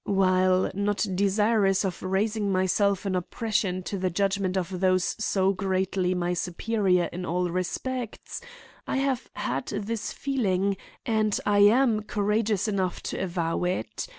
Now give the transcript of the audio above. While not desirous of raising myself in opposition to the judgment of those so greatly my superior in all respects, I have had this feeling, and I am courageous enough to avow it.